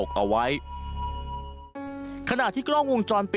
สวัสดีครับ